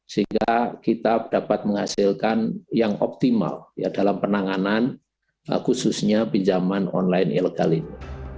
sehingga kita dapat menghasilkan yang optimal dalam penanganan khususnya pinjaman online ilegal ini